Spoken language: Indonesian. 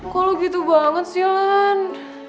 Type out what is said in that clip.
kok lo gitu banget sih lan